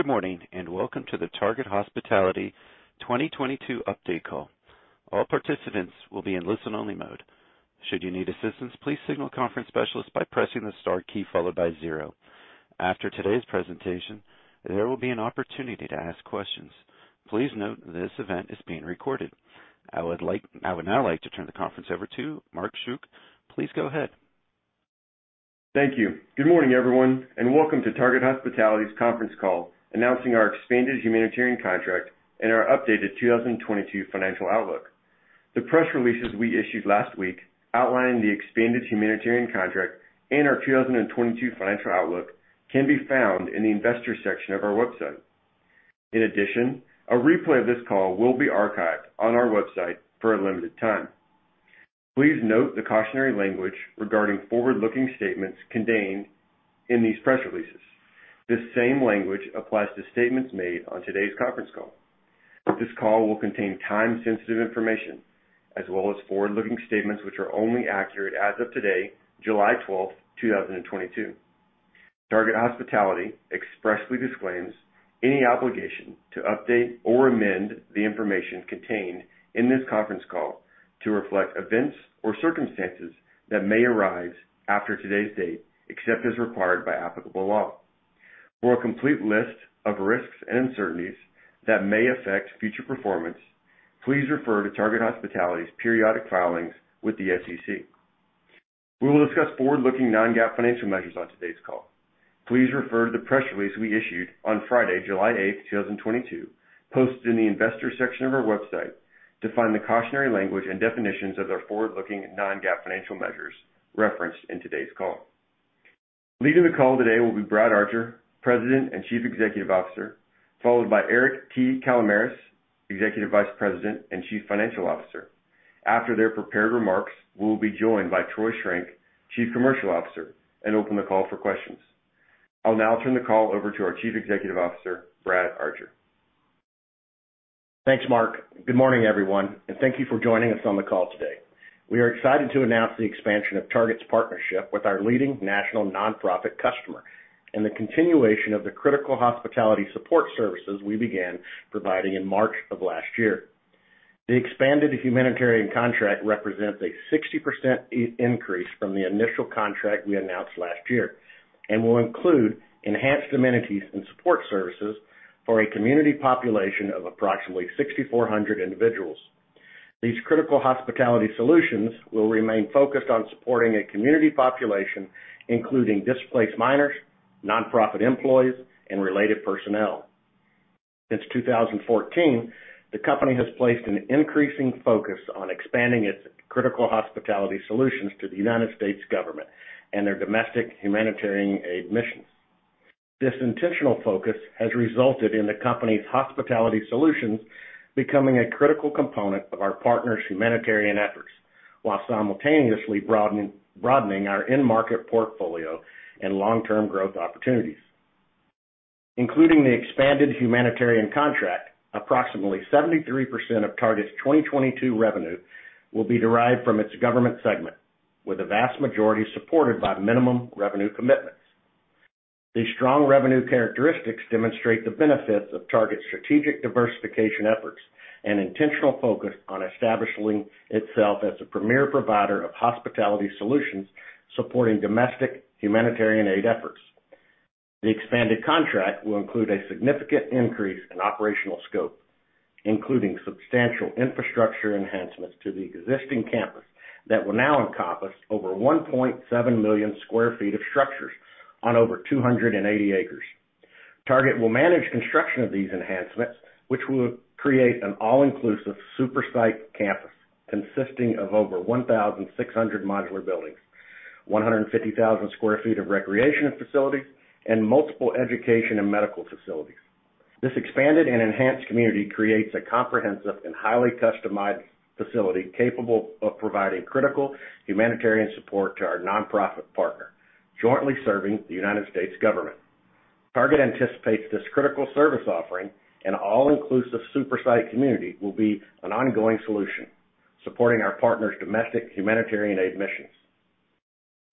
Good morning, and welcome to the Target Hospitality 2022 update call. All participants will be in listen-only mode. Should you need assistance, please signal conference specialist by pressing the star key followed by zero. After today's presentation, there will be an opportunity to ask questions. Please note this event is being recorded. I would now like to turn the conference over to Mark Schuck. Please go ahead. Thank you. Good morning, everyone, and welcome to Target Hospitality's conference call announcing our expanded humanitarian contract and our updated 2022 financial outlook. The press releases we issued last week outlining the expanded humanitarian contract and our 2022 financial outlook can be found in the investors section of our website. In addition, a replay of this call will be archived on our website for a limited time. Please note the cautionary language regarding forward-looking statements contained in these press releases. This same language applies to statements made on today's conference call. This call will contain time-sensitive information as well as forward-looking statements which are only accurate as of today, 12 July 2022. Target Hospitality expressly disclaims any obligation to update or amend the information contained in this conference call to reflect events or circumstances that may arise after today's date, except as required by applicable law. For a complete list of risks and uncertainties that may affect future performance, please refer to Target Hospitality's periodic filings with the SEC. We will discuss forward-looking non-GAAP financial measures on today's call. Please refer to the press release we issued on Friday, July eighth, two thousand and twenty-two, posted in the investors section of our website, to find the cautionary language and definitions of their forward-looking non-GAAP financial measures referenced in today's call. Leading the call today will be Brad Archer, President and Chief Executive Officer, followed by Eric T. Kalamaras, Executive Vice President and Chief Financial Officer. After their prepared remarks, we will be joined by Troy Schrenk, Chief Commercial Officer, and open the call for questions. I'll now turn the call over to our Chief Executive Officer, Brad Archer. Thanks, Mark. Good morning, everyone, and thank you for joining us on the call today. We are excited to announce the expansion of Target Hospitality's partnership with our leading national nonprofit customer and the continuation of the critical hospitality support services we began providing in March of last year. The expanded humanitarian contract represents a 60% increase from the initial contract we announced last year and will include enhanced amenities and support services for a community population of approximately 6,400 individuals. These critical hospitality solutions will remain focused on supporting a community population, including displaced minors, nonprofit employees, and related personnel. Since 2014, the company has placed an increasing focus on expanding its critical hospitality solutions to the United States government and their domestic humanitarian aid missions. This intentional focus has resulted in the company's hospitality solutions becoming a critical component of our partners' humanitarian efforts while simultaneously broadening our end market portfolio and long-term growth opportunities. Including the expanded humanitarian contract, approximately 73% of Target's 2022 revenue will be derived from its government segment, with the vast majority supported by minimum revenue commitments. These strong revenue characteristics demonstrate the benefits of Target's strategic diversification efforts and intentional focus on establishing itself as a premier provider of hospitality solutions supporting domestic humanitarian aid efforts. The expanded contract will include a significant increase in operational scope, including substantial infrastructure enhancements to the existing campus that will now encompass over 1.7 million sq ft of structures on over 280 acres. Target Hospitality will manage construction of these enhancements, which will create an all-inclusive super site campus consisting of over 1,600 modular buildings, 150,000 sq ft of recreation and facility, and multiple education and medical facilities. This expanded and enhanced community creates a comprehensive and highly customized facility capable of providing critical humanitarian support to our nonprofit partner, jointly serving the United States government. Target Hospitality anticipates this critical service offering and all-inclusive super site community will be an ongoing solution supporting our partner's domestic humanitarian aid missions.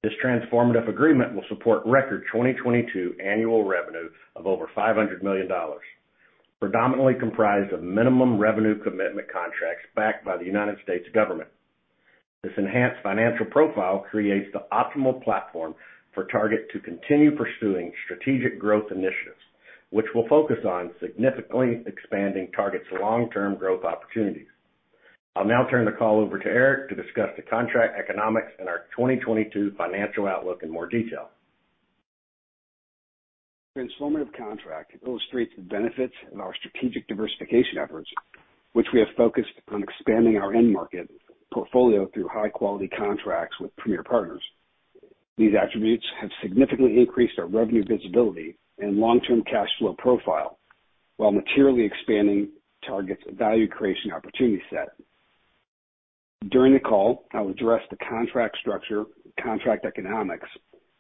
This transformative agreement will support record 2022 annual revenue of over $500 million, predominantly comprised of minimum revenue commitment contracts backed by the United States government. This enhanced financial profile creates the optimal platform for Target Hospitality to continue pursuing strategic growth initiatives, which will focus on significantly expanding Target Hospitality's long-term growth opportunities. I'll now turn the call over to Eric to discuss the contract economics and our 2022 financial outlook in more detail. Transformative contract illustrates the benefits of our strategic diversification efforts, which we have focused on expanding our end market portfolio through high-quality contracts with premier partners. These attributes have significantly increased our revenue visibility and long-term cash flow profile while materially expanding Target Hospitality's value creation opportunity set. During the call, I will address the contract structure, contract economics,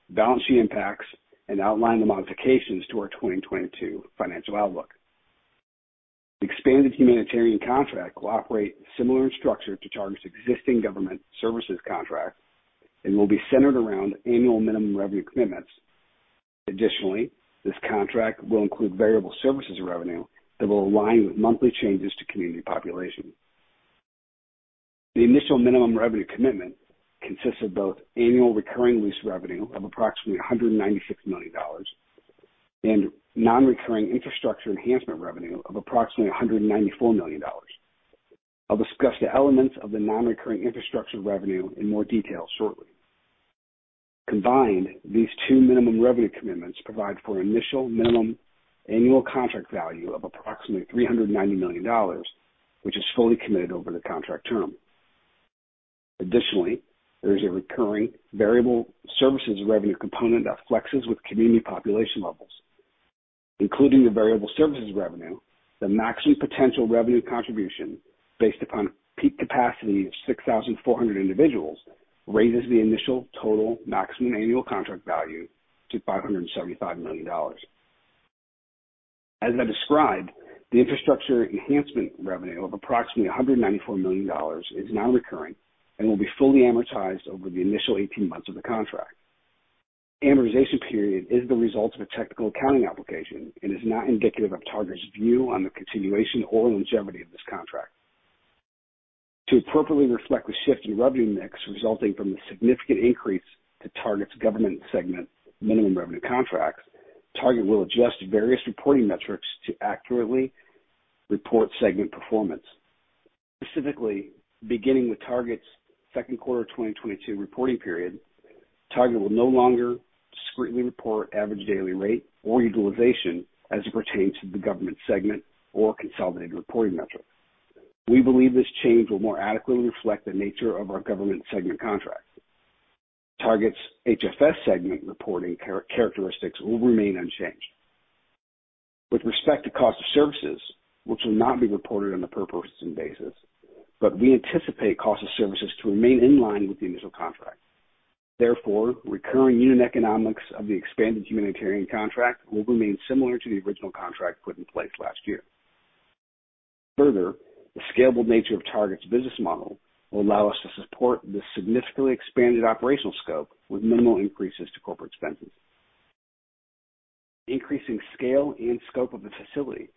balance sheet impacts, and outline the modifications to our 2022 financial outlook. Expanded humanitarian contract will operate similar in structure to Target Hospitality's existing government services contract and will be centered around annual minimum revenue commitments. Additionally, this contract will include variable services revenue that will align with monthly changes to community population. The initial minimum revenue commitment consists of both annual recurring lease revenue of approximately $196 million and non-recurring infrastructure enhancement revenue of approximately $194 million. I'll discuss the elements of the non-recurring infrastructure revenue in more detail shortly. Combined, these two minimum revenue commitments provide for initial minimum annual contract value of approximately $390 million, which is fully committed over the contract term. Additionally, there is a recurring variable services revenue component that flexes with community population levels. Including the variable services revenue, the maximum potential revenue contribution based upon peak capacity of 6,400 individuals, raises the initial total maximum annual contract value to $575 million. As I described, the infrastructure enhancement revenue of approximately $194 million is non-recurring and will be fully amortized over the initial 18 months of the contract. Amortization period is the result of a technical accounting application and is not indicative of Target's view on the continuation or longevity of this contract. To appropriately reflect the shift in revenue mix resulting from the significant increase to Target's government segment minimum revenue contracts, Target will adjust various reporting metrics to accurately report segment performance. Specifically, beginning with Target's Q2 of 2022 reporting period, Target will no longer discretely report average daily rate or utilization as it pertains to the government segment or consolidated reporting metric. We believe this change will more adequately reflect the nature of our government segment contract. Target's HFS segment reporting characteristics will remain unchanged. With respect to cost of services, which will not be reported on a per person basis, but we anticipate cost of services to remain in line with the initial contract. Therefore, recurring unit economics of the expanded humanitarian contract will remain similar to the original contract put in place last year. Further, the scalable nature of Target's business model will allow us to support the significantly expanded operational scope with minimal increases to corporate expenses. Increasing scale and scope of the facility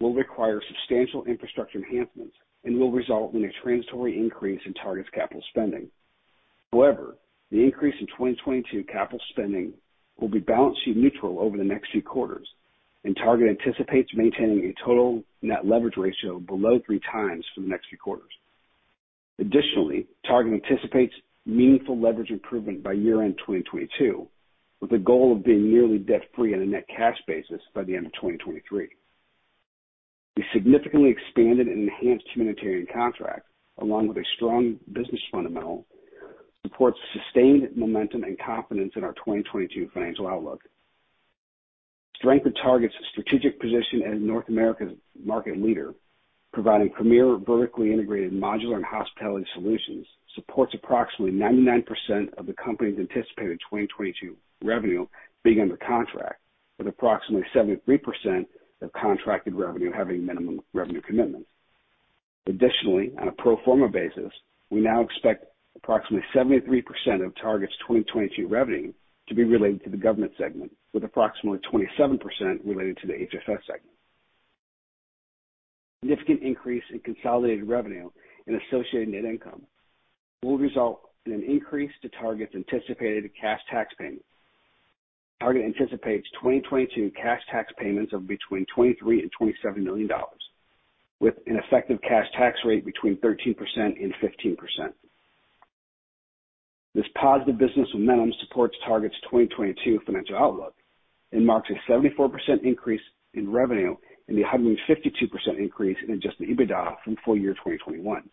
will require substantial infrastructure enhancements and will result in a transitory increase in Target's capital spending. However, the increase in 2022 capital spending will be balance sheet neutral over the next few quarters, and Target anticipates maintaining a total net leverage ratio below 3x for the next few quarters. Additionally, Target anticipates meaningful leverage improvement by year-end 2022, with a goal of being nearly debt free on a net cash basis by the end of 2023. The significantly expanded and enhanced humanitarian contract, along with a strong business fundamental, supports sustained momentum and confidence in our 2022 financial outlook. Strength of Target's strategic position as North America's market leader, providing premier vertically integrated modular and hospitality solutions, supports approximately 99% of the company's anticipated 2022 revenue being under contract, with approximately 73% of contracted revenue having minimum revenue commitment. Additionally, on a pro forma basis, we now expect approximately 73% of Target's 2022 revenue to be related to the government segment, with approximately 27% related to the HFS segment. Significant increase in consolidated revenue and associated net income will result in an increase to Target's anticipated cash tax payment. Target anticipates 2022 cash tax payments of between $23 million and $27 million, with an effective cash tax rate between 13% and 15%. This positive business momentum supports Target Hospitality's 2022 financial outlook and marks a 74% increase in revenue and a 152% increase in adjusted EBITDA from full year 2021.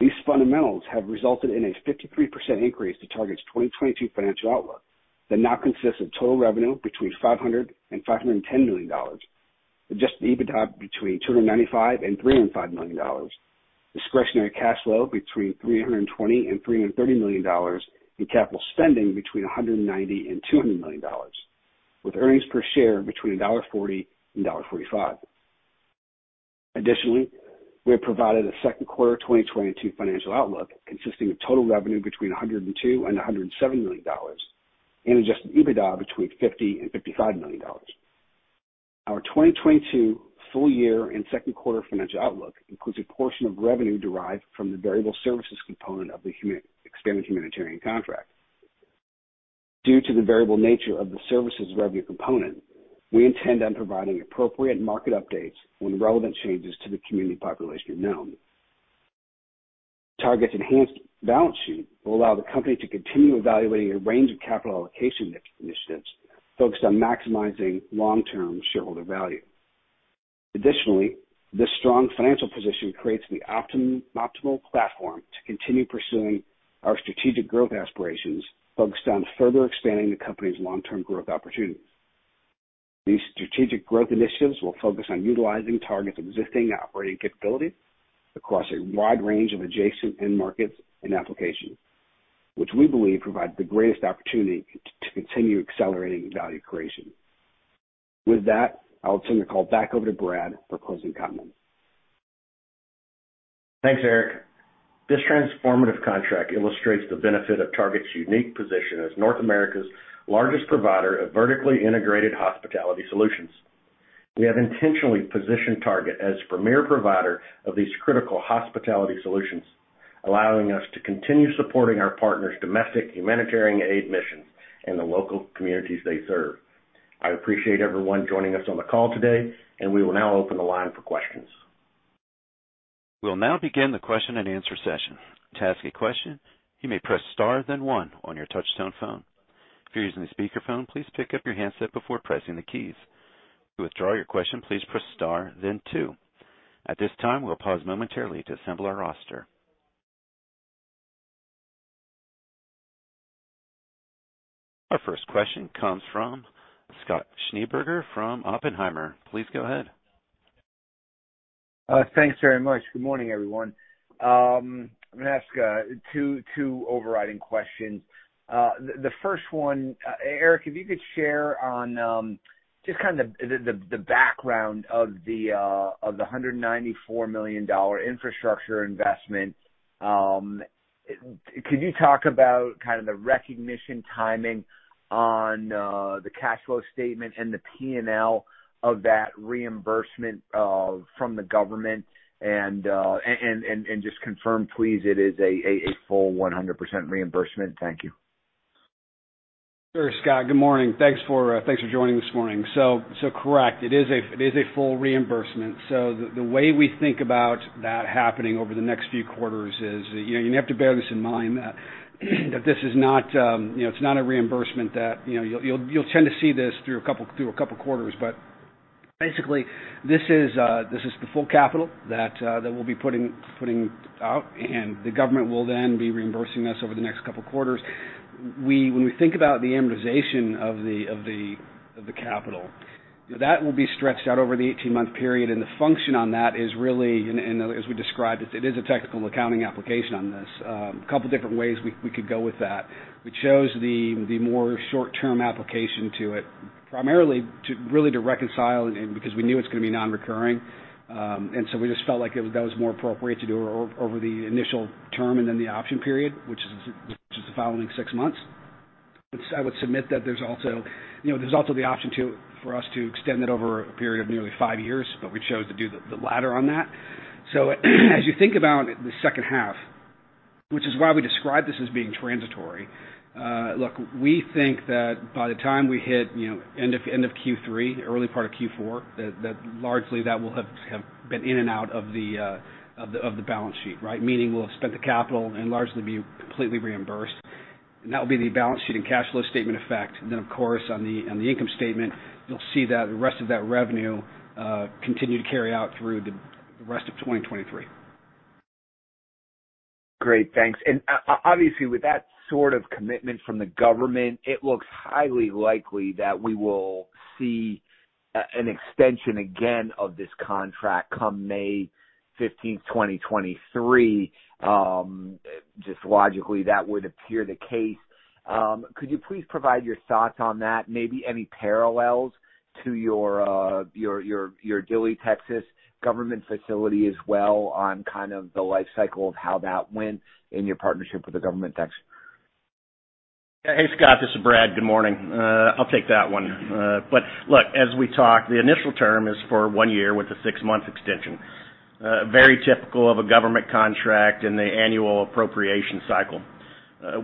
These fundamentals have resulted in a 53% increase to Target Hospitality's 2022 financial outlook. That now consists of total revenue between $500 to 510 million, adjusted EBITDA between $295 to 305 million. Discretionary cash flow between $320 to 330 million, and capital spending between $190 to 200 million, with earnings per share between $1.40 to 1.45. We have provided a Q2 2022 financial outlook consisting of total revenue between $102 million and $107 million and adjusted EBITDA between $50 million and $55 million. Our 2022 full year and Q2 financial outlook includes a portion of revenue derived from the variable services component of the expanded humanitarian contract. Due to the variable nature of the services revenue component, we intend on providing appropriate market updates when relevant changes to the community population are known. Target's enhanced balance sheet will allow the company to continue evaluating a range of capital allocation initiatives focused on maximizing long-term shareholder value. This strong financial position creates the optimal platform to continue pursuing our strategic growth aspirations focused on further expanding the company's long-term growth opportunities. These strategic growth initiatives will focus on utilizing Target's existing operating capabilities across a wide range of adjacent end markets and applications, which we believe provides the greatest opportunity to continue accelerating value creation. With that, I'll turn the call back over to Brad for closing comments. Thanks, Eric. This transformative contract illustrates the benefit of Target's unique position as North America's largest provider of vertically integrated hospitality solutions. We have intentionally positioned Target as premier provider of these critical hospitality solutions, allowing us to continue supporting our partners' domestic humanitarian aid missions and the local communities they serve. I appreciate everyone joining us on the call today, and we will now open the line for questions. We'll now begin the question-and-answer session. To ask a question, you may press Star then One on your touchtone phone. If you're using a speakerphone, please pick up your handset before pressing the keys. To withdraw your question, please press Star then Two. At this time, we'll pause momentarily to assemble our roster. Our first question comes from Scott Schneeberger from Oppenheimer. Please go ahead. Thanks very much. Good morning, everyone. I'm gonna ask two overriding questions. The first one, Eric, if you could share on just kind of the background of the $194 million infrastructure investment. Could you talk about kind of the recognition timing on the cash flow statement and the P&L of that reimbursement from the government and just confirm, please, it is a full 100% reimbursement. Thank you. Sure, Scott. Good morning. Thanks for joining this morning. Correct. It is a full reimbursement. The way we think about that happening over the next few quarters is, you have to bear this in mind that this is not a reimbursement that you'll tend to see this through a couple quarters. Basically, this is the full capital that we'll be putting out, and the government will then be reimbursing us over the next couple quarters. When we think about the amortization of the capital, that will be stretched out over the 18-month period. The function on that is really, as we described it is a technical accounting application on this. A couple different ways we could go with that. We chose the more short-term application to it, primarily to really reconcile and because we knew it's gonna be non-recurring. We just felt like it that was more appropriate to do it over the initial term and then the option period, which is the following six months. I would submit that there's also, you know, the option for us to extend it over a period of nearly five years, but we chose to do the latter on that. As you think about the second half, which is why we describe this as being transitory, look, we think that by the time we hit, you know, end of Q3, early part of Q4, that largely will have been in and out of the balance sheet, right? Meaning we'll have spent the capital and largely be completely reimbursed. That will be the balance sheet and cash flow statement effect. Then, of course, on the income statement, you'll see that the rest of that revenue continue to carry out through the rest of 2023. Great. Thanks. Obviously, with that sort of commitment from the government, it looks highly likely that we will see an extension again of this contract come May fifteenth, 2023. Just logically, that would appear the case. Could you please provide your thoughts on that, maybe any parallels to your Dilley, Texas government facility as well on kind of the life cycle of how that went in your partnership with the government? Thanks. Hey, Scott, this is Brad. Good morning. I'll take that one. Look, as we talk, the initial term is for one year with a six-month extension. Very typical of a government contract in the annual appropriation cycle.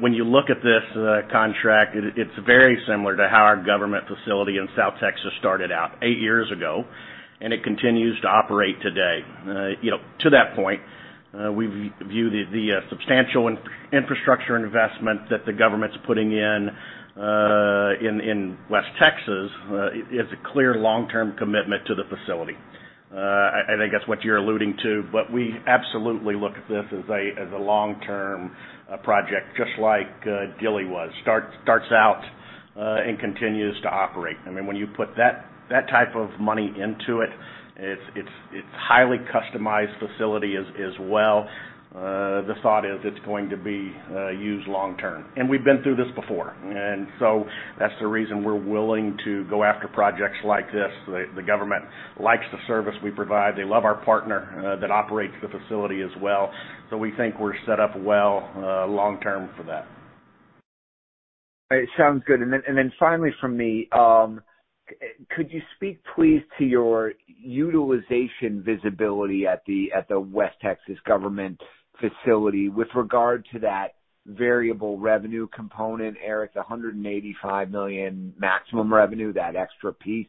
When you look at this contract, it's very similar to how our government facility in South Texas started out eight years ago, and it continues to operate today. You know, to that point, we view the substantial infrastructure investment that the government's putting in West Texas as a clear long-term commitment to the facility. I think that's what you're alluding to, but we absolutely look at this as a long-term project, just like Dilley was. It starts out and continues to operate. I mean, when you put that type of money into its highly customized facility as well. The thought is it's going to be used long term. We've been through this before, and so that's the reason we're willing to go after projects like this. The government likes the service we provide. They love our partner that operates the facility as well. We think we're set up well long term for that. It sounds good. Then finally from me, could you speak please to your utilization visibility at the West Texas government facility with regard to that variable revenue component, Eric, the $185 million maximum revenue, that extra piece?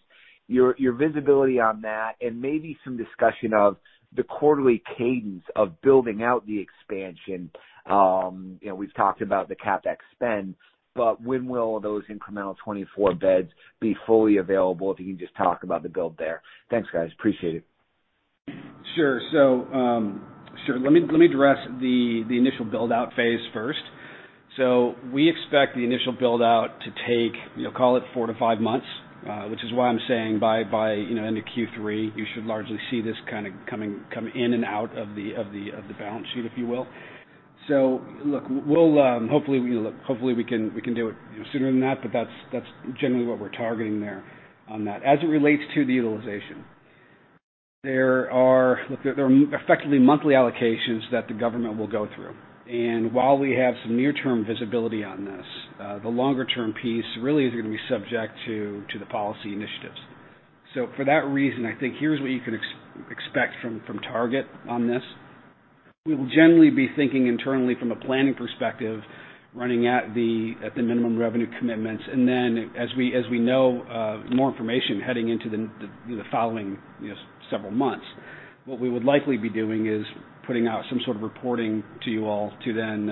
Your visibility on that and maybe some discussion of the quarterly cadence of building out the expansion. You know, we've talked about the CapEx spend, but when will those incremental 24 beds be fully available? If you can just talk about the build, there. Thanks, guys. Appreciate it. Sure. Sure. Let me address the initial build-out phase first. We expect the initial build-out to take, you know, call it 4 to 5 months. Which is why I'm saying by, you know, end of Q3, you should largely see this kind a come in and out of the balance sheet, if you will. Look, we'll hopefully, you know, we can do it, you know, sooner than that, but that's generally what we're targeting there on that. As it relates to the utilization, there are effectively monthly allocations that the government will go through. While we have some near-term visibility on this, the longer-term piece really is gonna be subject to the policy initiatives. For that reason, I think here's what you can expect from Target on this. We will generally be thinking internally from a planning perspective, running at the minimum revenue commitments. As we know more information heading into the, you know, the following, you know, several months, what we would likely be doing is putting out some sort of reporting to you all to then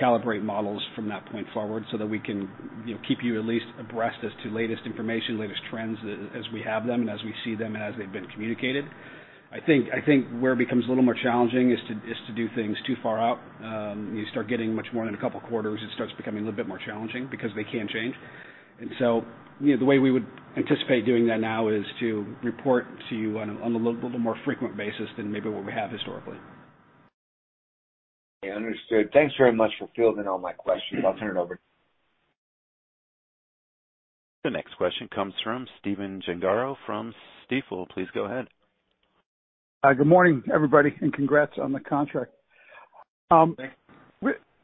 calibrate models from that point forward so that we can, you know, keep you at least abreast as to latest information, latest trends as we have them and as we see them and as they've been communicated. I think where it becomes a little more challenging is to do things too far out. You start getting much more in a couple of quarters, it starts becoming a little bit more challenging because they can change. You know, the way we would anticipate doing that now is to report to you on a little more frequent basis than maybe what we have historically. Yeah, understood. Thanks very much for fielding all my questions. I'll turn it over. The next question comes from Stephen Gengaro from Stifel. Please go ahead. Hi. Good morning, everybody, and congrats on the contract. Thanks.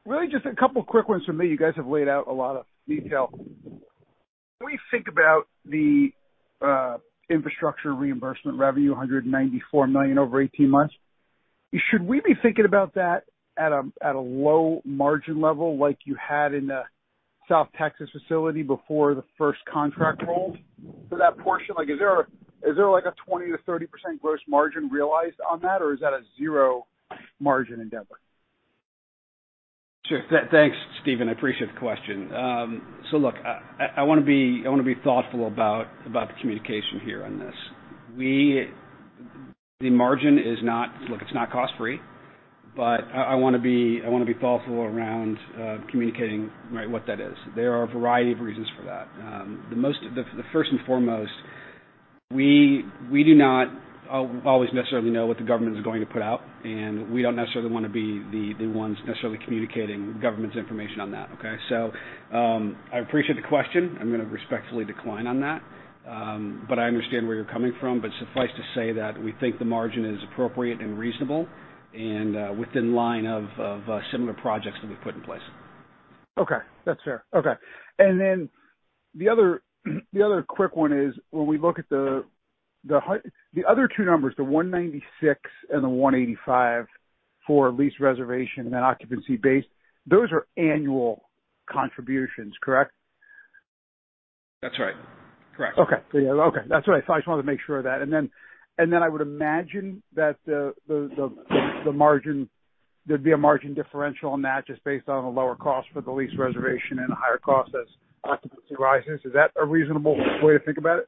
Really just a couple quick ones from me. You guys have laid out a lot of detail. When you think about the infrastructure reimbursement revenue, $194 million over 18 months, should we be thinking about that at a low margin level like you had in the South Texas facility before the first contract rolled for that portion? Like, is there a 20 to 30% gross margin realized on that, or is that a zero-margin endeavor? Thanks, Stephen. I appreciate the question. Look, I wanna be thoughtful about the communication here on this. Look, it's not cost-free, but I wanna be thoughtful around communicating, right, what that is. There are a variety of reasons for that. The first and foremost, we do not always necessarily know what the government is going to put out, and we don't necessarily wanna be the ones necessarily communicating government's information on that, okay. I appreciate the question. I'm gonna respectfully decline on that, but I understand where you're coming from. Suffice to say that we think the margin is appropriate and reasonable and in line with similar projects that we put in place. Okay. That's fair. Okay. The other quick one is when we look at the other two numbers, the $196 and the $185 for lease reservation and then occupancy base, those are annual contributions, correct? That's right. Correct. Okay. Yeah. Okay. That's all right. I just wanted to make sure of that. I would imagine that the margin, there'd be a margin differential on that just based on the lower cost for the lease reservation and a higher cost as occupancy rises. Is that a reasonable way to think about it?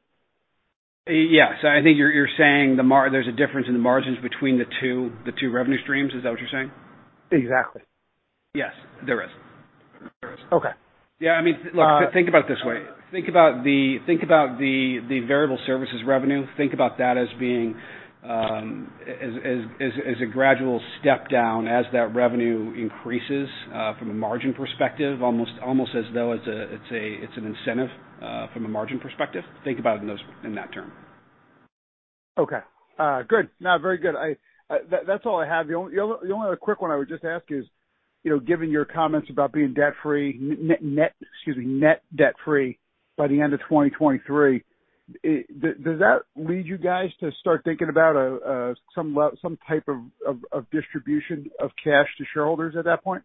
Yes. I think you're saying there's a difference in the margins between the two revenue streams. Is that what you're saying? Exactly. Yes, there is. Okay. Yeah. I mean, look, think about it this way. Think about the variable services revenue. Think about that as being a gradual step down as that revenue increases from a margin perspective, almost as though it's an incentive from a margin perspective. Think about it in that term. Okay. Good. No, very good. That's all I have. The only other quick one I would just ask is, you know, given your comments about being debt-free, net, excuse me, net debt-free by the end of 2023, does that lead you guys to start thinking about some type of distribution of cash to shareholders at that point?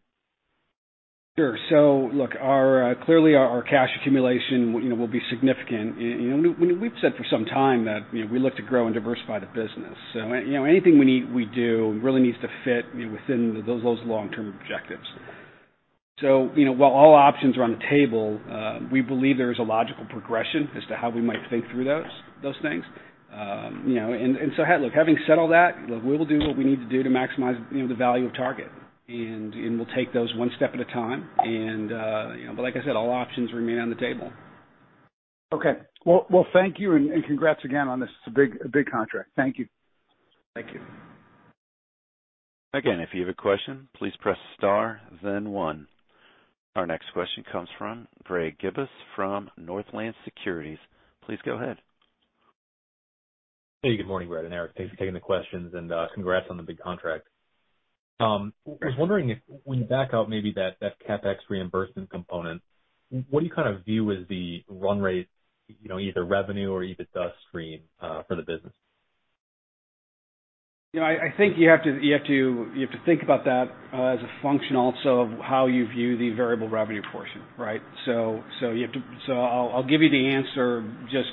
Sure. So, look, clearly our cash accumulation, you know, will be significant. You know, we've said for some time that, you know, we look to grow and diversify the business. You know, anything we do really needs to fit, you know, within those long-term objectives. You know, while all options are on the table, we believe there is a logical progression as to how we might think through those things. You know, look, having said all that, look, we will do what we need to do to maximize, you know, the value of Target. We'll take those one step at a time. You know, but like I said, all options remain on the table. Okay. Well, thank you, and congrats again on this. It's a big contract. Thank you. Thank you. Again, if you have a question, please press star then one. Our next question comes from Greg Gibas from Northland Securities. Please go ahead. Hey, good morning, Brad and Eric. Thanks for taking the questions, and congrats on the big contract. Thanks. I was wondering if when you back out maybe that CapEx reimbursement component, what do you kind of view as the run rate, you know, either revenue or EBITDA stream for the business? You know, I think you have to think about that as a function also of how you view the variable revenue portion, right? I'll give you the answer just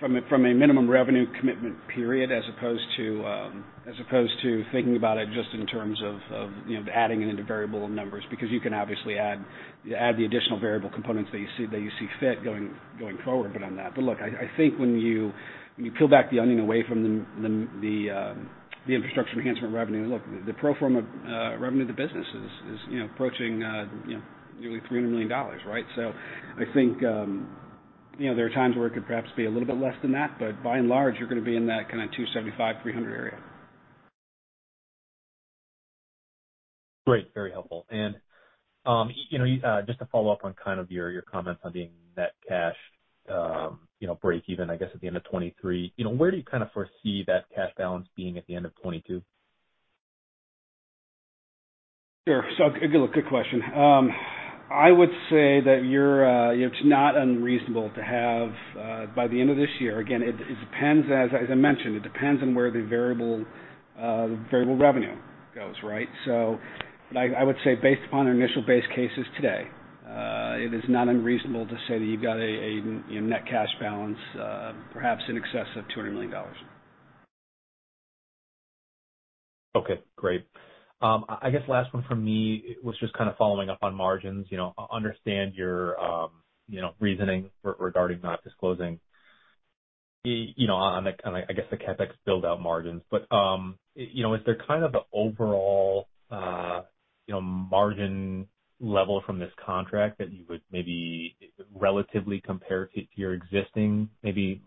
from a minimum revenue commitment period as opposed to thinking about it just in terms of, you know, adding it into variable numbers, because you can obviously add the additional variable components that you see fit going forward, but on that. Look, I think when you peel back the onion away from the infrastructure enhancement revenue, look, the pro forma revenue of the business is, you know, approaching nearly $300 million, right? I think, you know, there are times where it could perhaps be a little bit less than that, but by and large, you're gonna be in that kind a $275 to 300 area. Great, very helpful. Just to follow up on kind of your comments on being net cash, you know, breakeven, I guess, at the end of 2023, you know, where do you kind of foresee that cash balance being at the end of 2022? Sure. Good question. I would say that you're, it's not unreasonable to have, by the end of this year. Again, it depends as I mentioned, it depends on where the variable revenue goes, right? I would say based upon our initial base cases today, it is not unreasonable to say that you've got a net cash balance, perhaps in excess of $200 million. Okay, great. I guess last one from me was just kind of following up on margins. You know, understand your, you know, reasoning regarding not disclosing, you know, on the, I guess, the CapEx build out margins. But, you know, is there kind of the overall, you know, margin level from this contract that you would maybe relatively compare to your existing maybe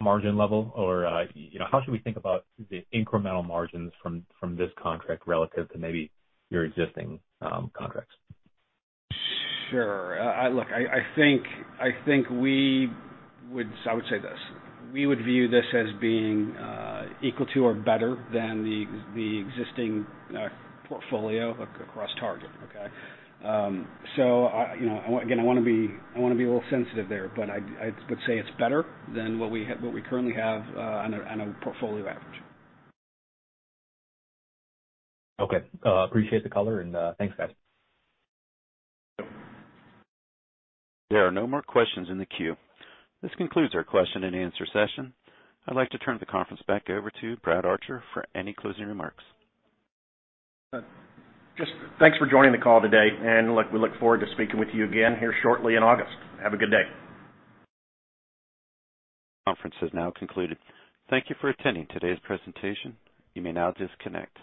margin level? Or, you know, how should we think about the incremental margins from this contract relative to maybe your existing, contracts? Sure. Look, I would say this. We would view this as being equal to or better than the existing portfolio across Target. Okay. You know, again, I wanna be a little sensitive there, but I would say it's better than what we have, what we currently have, on a portfolio average. Okay. Appreciate the color and thanks, guys. There are no more questions in the queue. This concludes our question-and-answer session. I'd like to turn the conference back over to Brad Archer for any closing remarks. Just thanks for joining the call today, and look, we look forward to speaking with you again here shortly in August. Have a good day. Conference has now concluded. Thank you for attending today's presentation. You may now disconnect.